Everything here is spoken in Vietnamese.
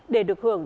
để được hưởng